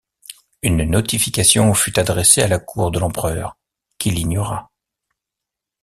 Une notification fut adressée à la cour de l'Empereur, qui l'ignora.